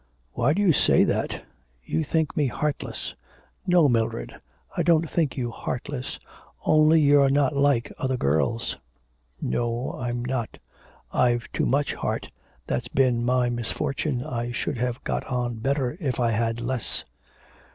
'Why do you say that? You think me heartless.' 'No, Mildred, I don't think you heartless only you're not like other girls.' No, I'm not. I've too much heart, that's been my misfortune, I should have got on better if I had less.'